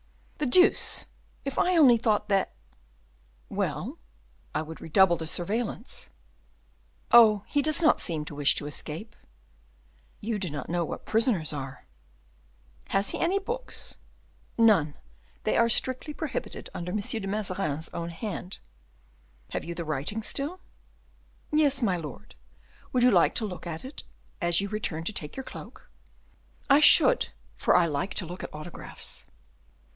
"The deuce! if I only thought that " "Well?" "I would redouble the surveillance." "Oh, he does not seem to wish to escape." "You do not know what prisoners are." "Has he any books?" "None; they are strictly prohibited, and under M. de Mazarin's own hand." "Have you the writing still?" "Yes, my lord; would you like to look at it as you return to take your cloak?" "I should, for I like to look at autographs."